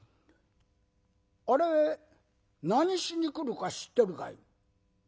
あれ何しに来るか知ってるかい？